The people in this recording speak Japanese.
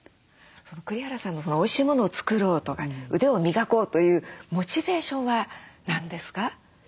栗原さんのおいしいものを作ろうとか腕を磨こうというモチベーションは何ですか？